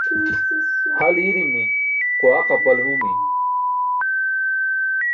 Hal i̇i̇ri̇mi̇, quwaq apalumi̇.